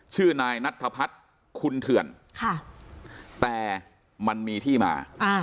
ชื่อนายนัทธพัฒน์คุณเถื่อนแต่มันมีที่มา